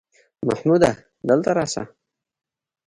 محموده دلته راسه!